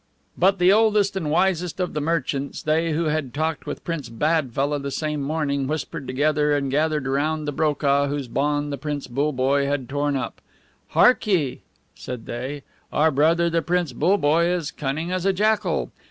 But the oldest and wisest of the merchants, they who had talked with Prince BADFELLAH the same morning, whispered together, and gathered around the BROKAH whose bond the Prince BULLEBOYE had torn up. "Hark ye," said they, "our brother the Prince BULLEBOYE is cunning as a jackal.